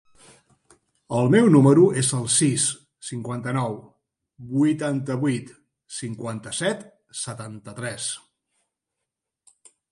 El meu número es el sis, cinquanta-nou, vuitanta-vuit, cinquanta-set, setanta-tres.